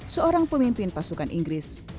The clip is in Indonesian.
seorang pemimpin pasukan inggris